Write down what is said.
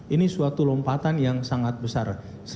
ini suatu lompatan yang sangat besar